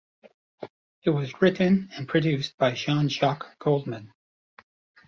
It was written and produced by Jean-Jacques Goldman.